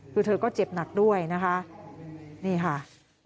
คือเธอก็เจ็บหนักด้วยนะคะนี่ค่ะ